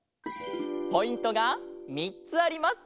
ポイントが３つあります。